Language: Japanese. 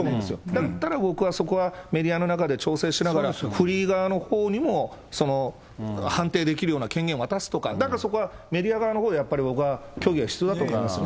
だから僕はそこはメディアの中で調整しながら、フリー側のほうにも、その判定できるような権限を渡すとか、だからそこはメディア側のほうで僕は協議が必要だと思いますね。